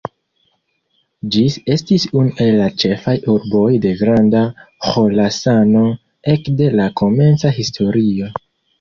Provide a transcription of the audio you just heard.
Ĝi estis unu el la ĉefaj urboj de Granda Ĥorasano, ekde la komenca historio.